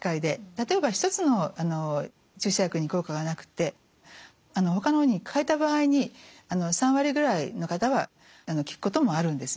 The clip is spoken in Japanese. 例えば１つの注射薬に効果がなくてほかのに替えた場合に３割ぐらいの方は効くこともあるんですね。